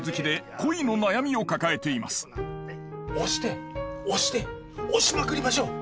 押して押して押しまくりましょう。